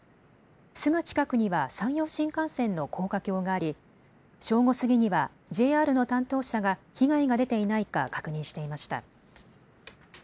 すぐ近くには山陽新幹線の高架橋があり正午過ぎにはＪＲの担当者が被害が出ていないか確認していました。